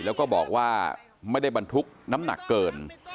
แล้วก็บอกว่าไม่ได้บรรทุกน้ำหนักเกิน